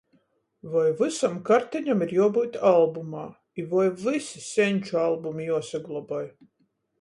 Voi vysom karteņom ir juobyut albumā. I voi vysi seņču albumi juosagloboj.